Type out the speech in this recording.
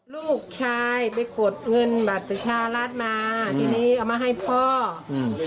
ลูกชายไปกดเงินบัตรประชารัฐมาทีนี้เอามาให้พ่ออืม